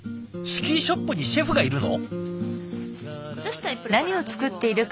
スキーショップにシェフがいるの？